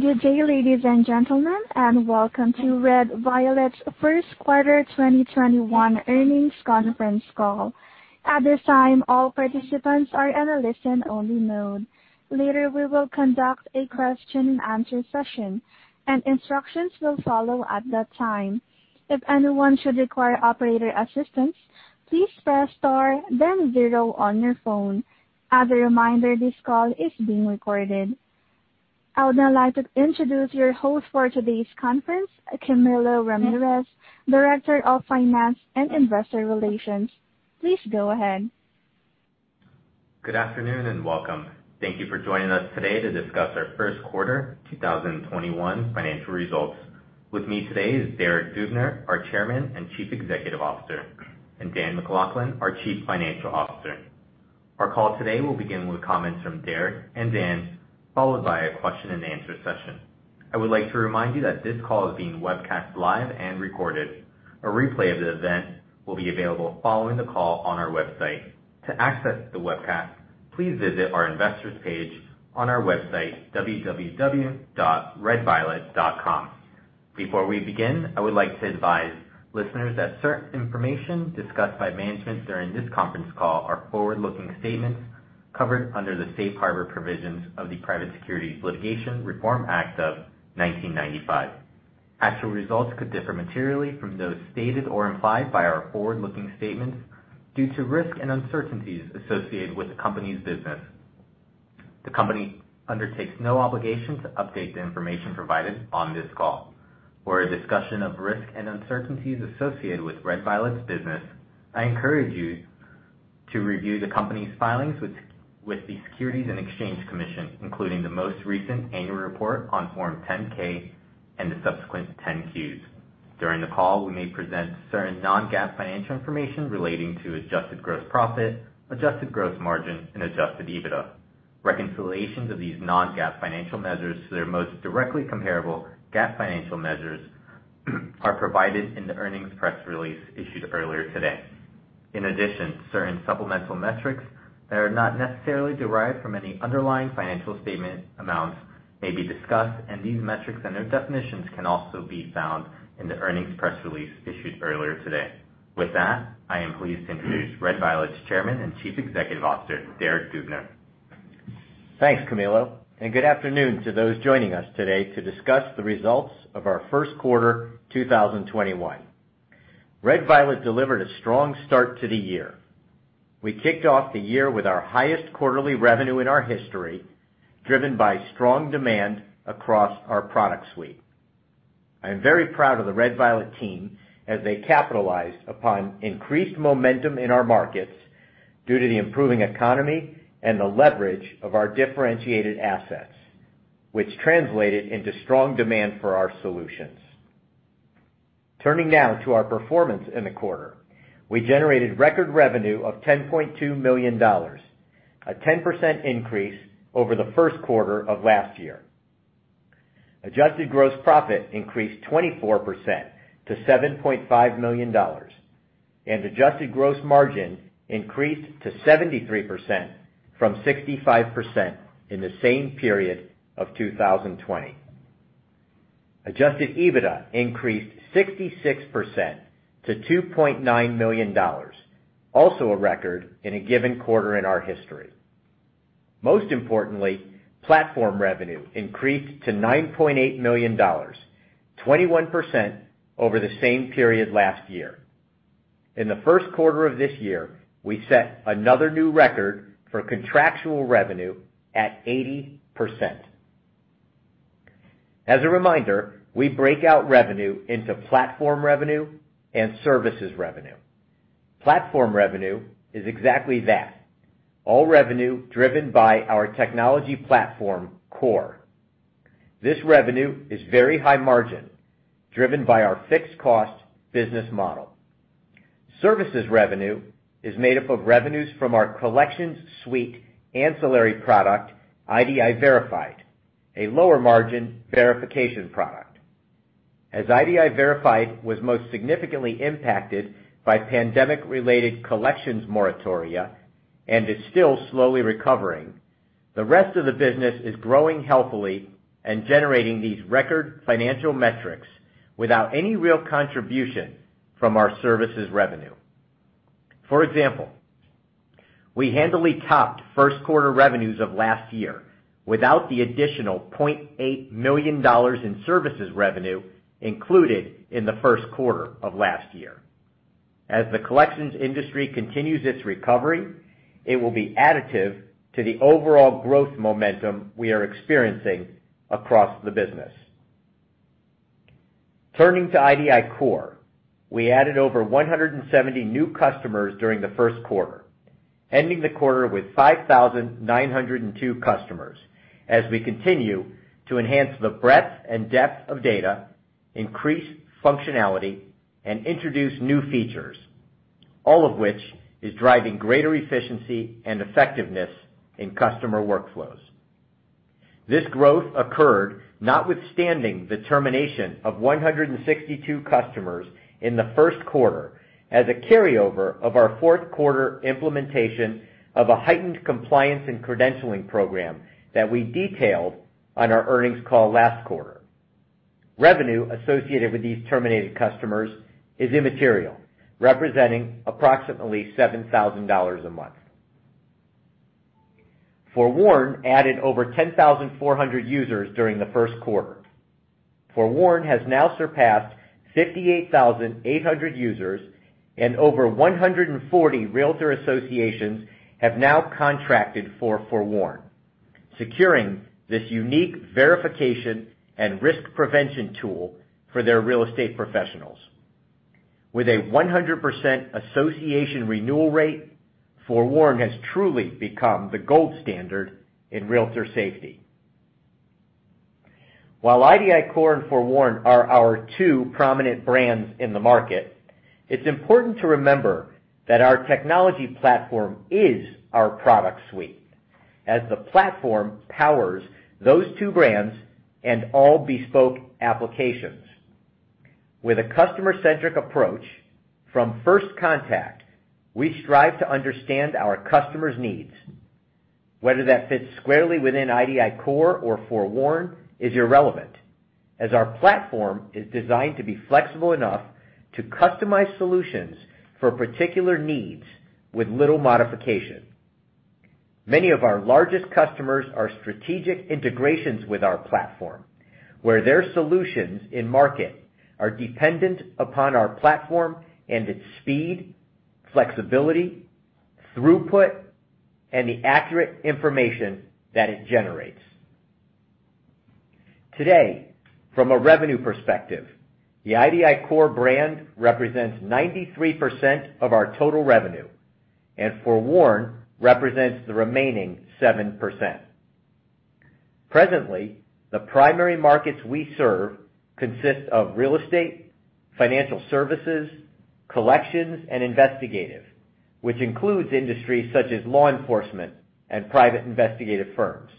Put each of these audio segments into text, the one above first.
Good day, ladies and gentlemen, and welcome to Red Violet's first quarter 2021 earnings conference call. At this time, all participants are in a listen-only mode. Later, we will conduct a question and answer session, and instructions will follow at that time. If anyone should require operator assistance, please press star then zero on your phone. As a reminder, this call is being recorded. I would now like to introduce your host for today's conference, Camilo Ramirez, Director of Finance and Investor Relations. Please go ahead. Good afternoon and welcome. Thank you for joining us today to discuss our first quarter 2021 financial results. With me today is Derek Dubner, our Chairman and Chief Executive Officer, and Dan MacLachlan, our Chief Financial Officer. Our call today will begin with comments from Derek and Dan, followed by a question and answer session. I would like to remind you that this call is being webcast live and recorded. A replay of the event will be available following the call on our website. To access the webcast, please visit our investor's page on our website, www.redviolet.com. Before we begin, I would like to advise listeners that certain information discussed by management during this conference call are forward-looking statements covered under the safe harbor provisions of the Private Securities Litigation Reform Act of 1995. Actual results could differ materially from those stated or implied by our forward-looking statements due to risks and uncertainties associated with the company's business. The company undertakes no obligation to update the information provided on this call. For a discussion of risks and uncertainties associated with Red Violet's business, I encourage you to review the company's filings with the Securities and Exchange Commission, including the most recent annual report on Form 10-K and the subsequent 10-Qs. During the call, we may present certain non-GAAP financial information relating to adjusted gross profit, adjusted gross margin, and adjusted EBITDA. Reconciliations of these non-GAAP financial measures to their most directly comparable GAAP financial measures are provided in the earnings press release issued earlier today. In addition, certain supplemental metrics that are not necessarily derived from any underlying financial statement amounts may be discussed, and these metrics and their definitions can also be found in the earnings press release issued earlier today. With that, I am pleased to introduce Red Violet's Chairman and Chief Executive Officer, Derek Dubner. Thanks, Camilo. Good afternoon to those joining us today to discuss the results of our first quarter 2021. Red Violet delivered a strong start to the year. We kicked off the year with our highest quarterly revenue in our history, driven by strong demand across our product suite. I am very proud of the Red Violet team as they capitalized upon increased momentum in our markets due to the improving economy and the leverage of our differentiated assets, which translated into strong demand for our solutions. Turning now to our performance in the quarter. We generated record revenue of $10.2 million, a 10% increase over the first quarter of last year. adjusted gross profit increased 24% to $7.5 million, and adjusted gross margin increased to 73% from 65% in the same period of 2020. adjusted EBITDA increased 66% to $2.9 million, also a record in a given quarter in our history. Most importantly, Platform revenue increased to $9.8 million, 21% over the same period last year. In the first quarter of this year, we set another new record for contractual revenue at 80%. As a reminder, we break out revenue into Platform revenue and Services revenue. Platform revenue is exactly that, all revenue driven by our technology platform, CORE. This revenue is very high margin, driven by our fixed cost business model. Services revenue is made up of revenues from our collections suite ancillary product, idiVERIFIED, a lower margin verification product. As idiVERIFIED was most significantly impacted by pandemic-related collections moratoria and is still slowly recovering, the rest of the business is growing healthily and generating these record financial metrics without any real contribution from our Services revenue. For example, we handily topped first quarter revenues of last year without the additional $0.8 million in services revenue included in the first quarter of last year. As the collections industry continues its recovery, it will be additive to the overall growth momentum we are experiencing across the business. Turning to idiCORE, we added over 170 new customers during the first quarter, ending the quarter with 5,902 customers as we continue to enhance the breadth and depth of data, increase functionality, and introduce new features, all of which is driving greater efficiency and effectiveness in customer workflows. This growth occurred notwithstanding the termination of 162 customers in the first quarter as a carryover of our fourth quarter implementation of a heightened compliance and credentialing program that we detailed on our earnings call last quarter. Revenue associated with these terminated customers is immaterial, representing approximately $7,000 a month. FOREWARN added over 10,400 users during the first quarter. FOREWARN has now surpassed 58,800 users, and over 140 realtor associations have now contracted for FOREWARN, securing this unique verification and risk prevention tool for their real estate professionals. With a 100% association renewal rate, FOREWARN has truly become the gold standard in realtor safety. While idiCORE and FOREWARN are our two prominent brands in the market, it's important to remember that our technology platform is our product suite, as the platform powers those two brands and all bespoke applications. With a customer-centric approach from first contact, we strive to understand our customers' needs. Whether that fits squarely within idiCORE or FOREWARN is irrelevant, as our platform is designed to be flexible enough to customize solutions for particular needs with little modification. Many of our largest customers are strategic integrations with our platform, where their solutions in-market are dependent upon our platform and its speed, flexibility, throughput, and the accurate information that it generates. Today, from a revenue perspective, the idiCORE brand represents 93% of our total revenue, and FOREWARN represents the remaining 7%. Presently, the primary markets we serve consist of real estate, financial services, collections, and investigative, which includes industries such as law enforcement and private investigative firms.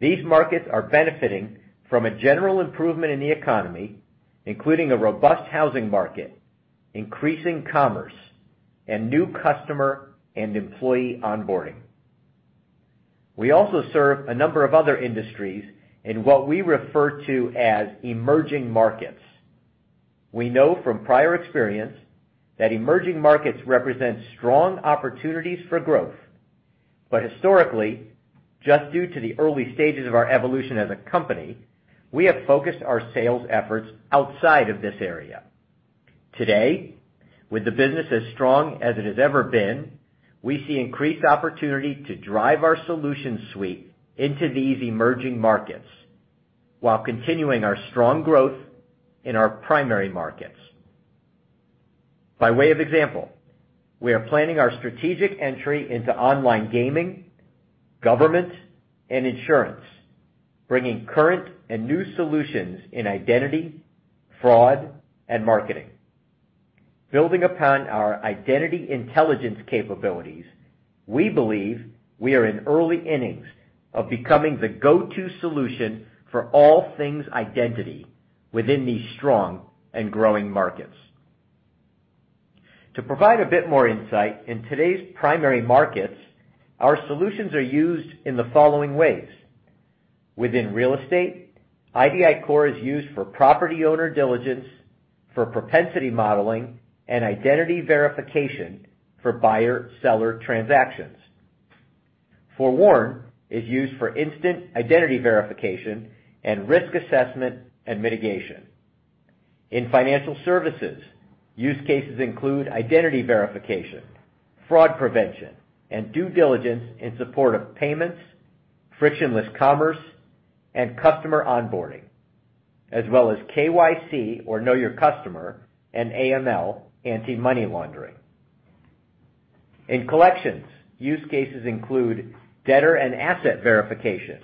These markets are benefiting from a general improvement in the economy, including a robust housing market, increasing commerce, and new customer and employee onboarding. We also serve a number of other industries in what we refer to as emerging markets. We know from prior experience that emerging markets represent strong opportunities for growth. Historically, just due to the early stages of our evolution as a company, we have focused our sales efforts outside of this area. Today, with the business as strong as it has ever been, we see increased opportunity to drive our solution suite into these emerging markets while continuing our strong growth in our primary markets. By way of example, we are planning our strategic entry into online gaming, government, and insurance, bringing current and new solutions in identity, fraud, and marketing. Building upon our identity intelligence capabilities, we believe we are in the early innings of becoming the go-to solution for all things identity within these strong and growing markets. To provide a bit more insight, in today's primary markets, our solutions are used in the following ways. Within real estate, idiCORE is used for property owner diligence, for propensity modeling, and identity verification for buyer-seller transactions. FOREWARN is used for instant identity verification and risk assessment and mitigation. In financial services, use cases include identity verification, fraud prevention, and due diligence in support of payments, frictionless commerce, and customer onboarding, as well as KYC, or know your customer, and AML, anti-money laundering. In collections, use cases include debtor and asset verification,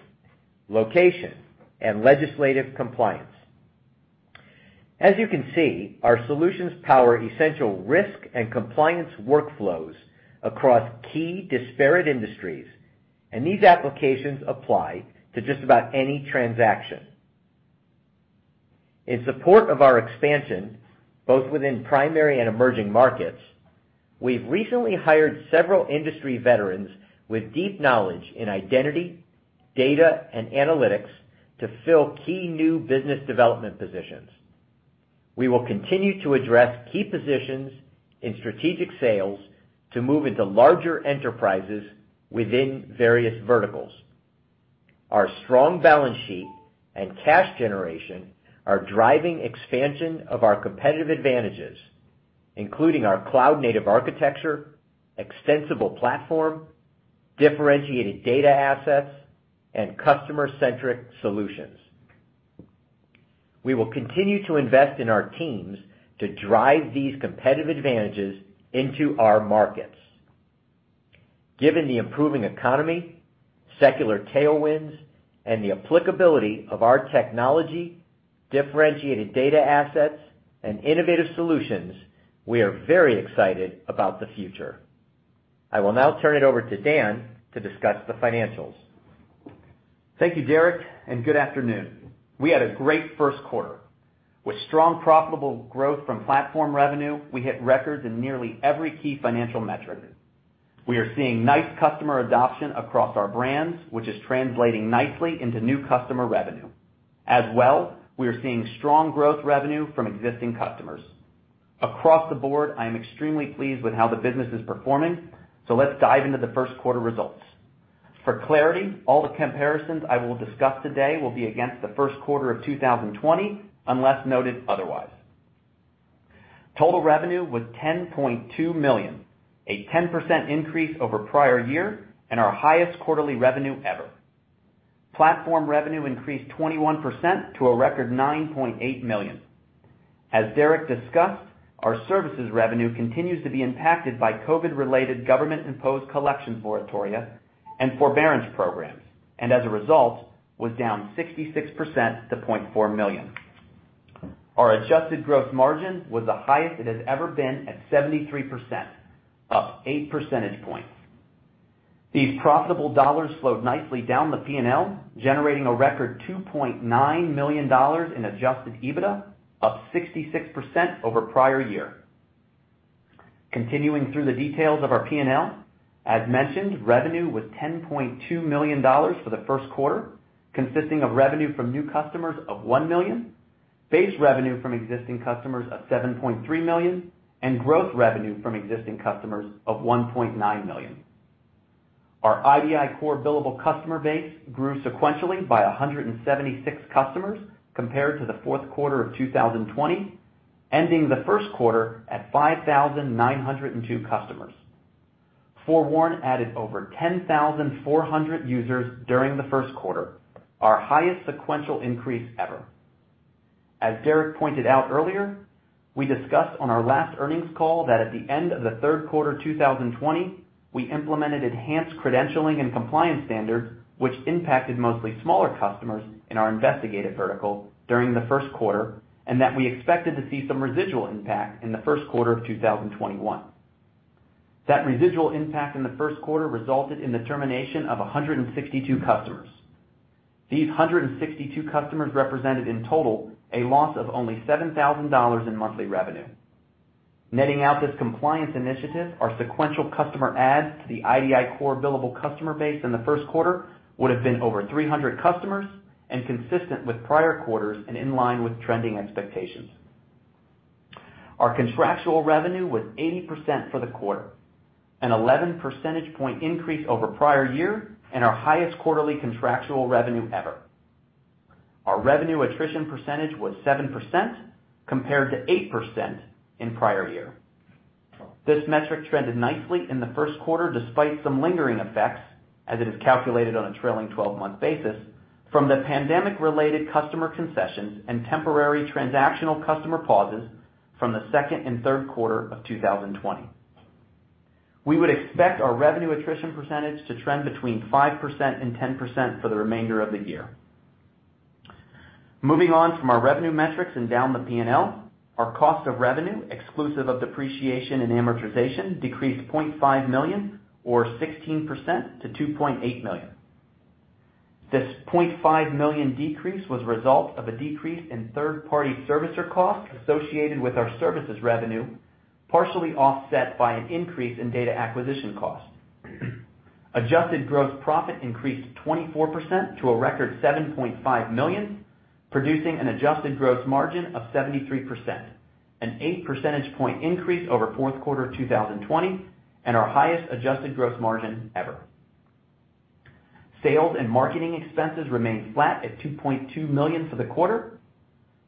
location, and legislative compliance. As you can see, our solutions power essential risk and compliance workflows across key disparate industries, and these applications apply to just about any transaction. In support of our expansion, both within primary and emerging markets, we've recently hired several industry veterans with deep knowledge in identity, data, and analytics to fill key new business development positions. We will continue to address key positions in strategic sales to move into larger enterprises within various verticals. Our strong balance sheet and cash generation are driving expansion of our competitive advantages, including our cloud-native architecture, extensible platform, differentiated data assets, and customer-centric solutions. We will continue to invest in our teams to drive these competitive advantages into our markets. Given the improving economy, secular tailwinds, and the applicability of our technology, differentiated data assets, and innovative solutions, we are very excited about the future. I will now turn it over to Dan to discuss the financials. Thank you, Derek, and good afternoon. We had a great first quarter. With strong, profitable growth from platform revenue, we hit records in nearly every key financial metric. We are seeing nice customer adoption across our brands, which is translating nicely into new customer revenue. As well, we are seeing strong growth revenue from existing customers. Across the board, I am extremely pleased with how the business is performing. Let's dive into the first quarter results. For clarity, all the comparisons I will discuss today will be against the first quarter of 2020, unless noted otherwise. Total revenue was $10.2 million, a 10% increase over prior year and our highest quarterly revenue ever. Platform revenue increased 21% to a record $9.8 million. As Derek discussed, our services revenue continues to be impacted by COVID-related government-imposed collection moratoria and forbearance programs, and as a result, was down 66% to $0.4 million. Our adjusted gross margin was the highest it has ever been at 73%, up 8 percentage points. These profitable dollars flowed nicely down the P&L, generating a record $2.9 million in adjusted EBITDA, up 66% over prior year. Continuing through the details of our P&L. As mentioned, revenue was $10.2 million for the first quarter, consisting of revenue from new customers of $1 million, base revenue from existing customers of $7.3 million, and growth revenue from existing customers of $1.9 million. Our idiCORE billable customer base grew sequentially by 176 customers compared to the fourth quarter of 2020, ending the first quarter at 5,902 customers. FOREWARN added over 10,400 users during the first quarter, our highest sequential increase ever. As Derek pointed out earlier, we discussed on our last earnings call that at the end of the third quarter 2020, we implemented enhanced credentialing and compliance standards, which impacted mostly smaller customers in our investigative vertical during the first quarter, and that we expected to see some residual impact in the first quarter of 2021. That residual impact in the first quarter resulted in the termination of 162 customers. These 162 customers represented in total a loss of only $7,000 in monthly revenue. Netting out this compliance initiative, our sequential customer adds to the idiCORE billable customer base in the first quarter would have been over 300 customers and consistent with prior quarters and in line with trending expectations. Our contractual revenue was 80% for the quarter, an 11 percentage point increase over prior year and our highest quarterly contractual revenue ever. Our revenue attrition percentage was 7%, compared to 8% in prior year. This metric trended nicely in the first quarter despite some lingering effects, as it is calculated on a trailing 12-month basis from the pandemic-related customer concessions and temporary transactional customer pauses from the second and third quarter of 2020. We would expect our revenue attrition percentage to trend between 5%-10% for the remainder of the year. Moving on from our revenue metrics and down the P&L, our cost of revenue, exclusive of depreciation and amortization, decreased $0.5 million or 16% to $2.8 million. This $0.5 million decrease was a result of a decrease in third-party servicer costs associated with our services revenue, partially offset by an increase in data acquisition costs. Adjusted gross profit increased 24% to a record $7.5 million, producing an adjusted gross margin of 73%, an eight percentage point increase over fourth quarter 2020 and our highest adjusted gross margin ever. Sales and marketing expenses remained flat at $2.2 million for the quarter.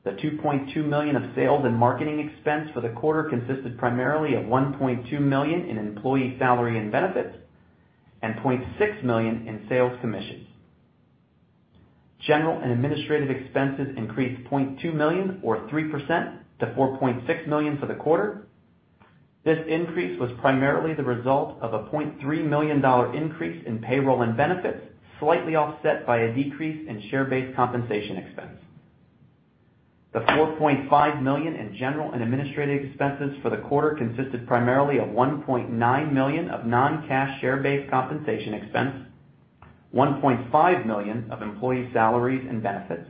The $2.2 million of sales and marketing expense for the quarter consisted primarily of $1.2 million in employee salary and benefits and $0.6 million in sales commissions. General and administrative expenses increased $0.2 million or 3% to $4.6 million for the quarter. This increase was primarily the result of a $0.3 million increase in payroll and benefits, slightly offset by a decrease in share-based compensation expense. The $4.5 million in general and administrative expenses for the quarter consisted primarily of $1.9 million of non-cash share-based compensation expense, $1.5 million of employee salaries and benefits,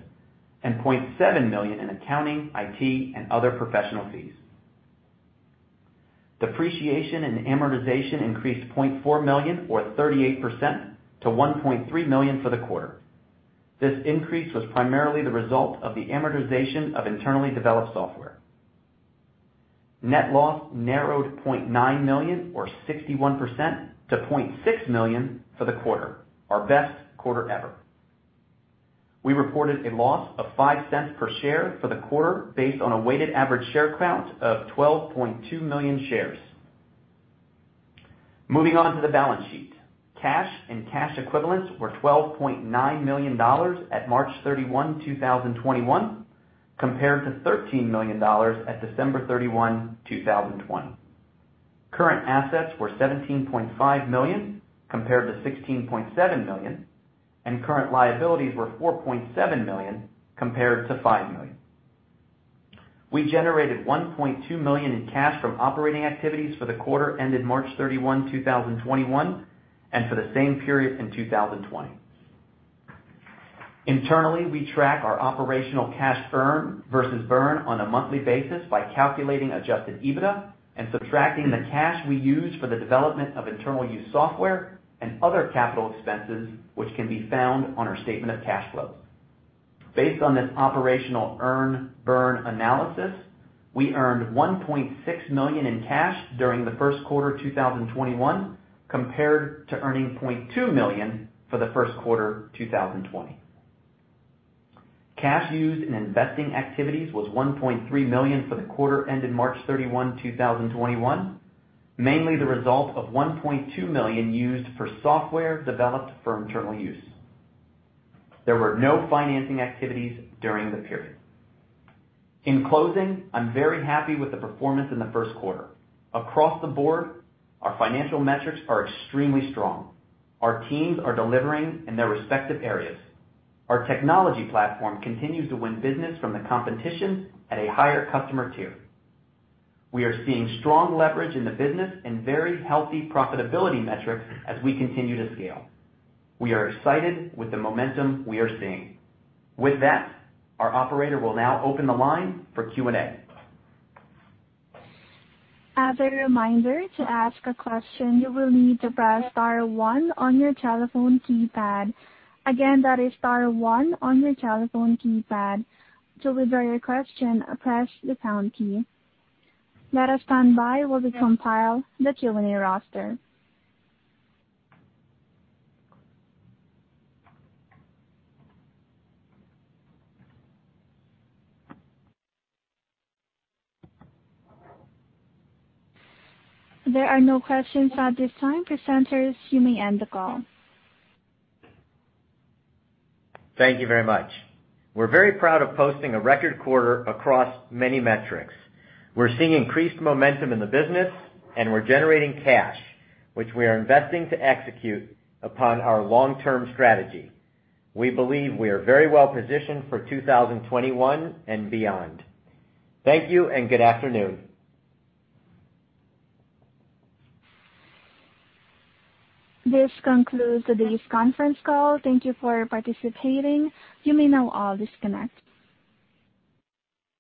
and $0.7 million in accounting, IT, and other professional fees. Depreciation and amortization increased $0.4 million or 38% to $1.3 million for the quarter. This increase was primarily the result of the amortization of internally developed software. Net loss narrowed $0.9 million or 61% to $0.6 million for the quarter, our best quarter ever. We reported a loss of $0.05 per share for the quarter based on a weighted average share count of 12.2 million shares. Moving on to the balance sheet. Cash and cash equivalents were $12.9 million at March 31, 2021, compared to $13 million at December 31, 2020. Current assets were $17.5 million compared to $16.7 million, and current liabilities were $4.7 million compared to $5 million. We generated $1.2 million in cash from operating activities for the quarter ended March 31, 2021, and for the same period in 2020. Internally, we track our operational cash earn versus burn on a monthly basis by calculating adjusted EBITDA and subtracting the cash we use for the development of internal use software and other capital expenses, which can be found on our statement of cash flow. Based on this operational earn/burn analysis, we earned $1.6 million in cash during the first quarter 2021, compared to earning $0.2 million for the first quarter 2020. Cash used in investing activities was $1.3 million for the quarter ended March 31, 2021, mainly the result of $1.2 million used for software developed for internal use. There were no financing activities during the period. In closing, I'm very happy with the performance in the first quarter. Across the board, our financial metrics are extremely strong. Our teams are delivering in their respective areas. Our technology platform continues to win business from the competition at a higher customer tier. We are seeing strong leverage in the business and very healthy profitability metrics as we continue to scale. We are excited with the momentum we are seeing. With that, our operator will now open the line for Q&A. As a reminder, to ask a question, you will need to press star one on your telephone keypad. Again, that is star one on your telephone keypad. To withdraw your question, press the pound key. Let us stand by while we compile the Q&A roster. There are no questions at this time. Presenters, you may end the call. Thank you very much. We're very proud of posting a record quarter across many metrics. We're seeing increased momentum in the business, and we're generating cash, which we are investing to execute upon our long-term strategy. We believe we are very well positioned for 2021 and beyond. Thank you and good afternoon. This concludes today's conference call. Thank you for participating. You may now all disconnect.